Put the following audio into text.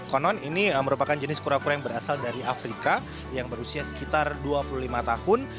konon ini merupakan jenis kura kura yang berasal dari afrika yang berusia sekitar dua puluh lima tahun